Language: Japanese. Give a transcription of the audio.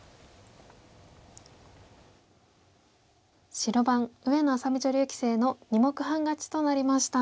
白番上野愛咲美女流棋聖の２目半勝ちとなりました。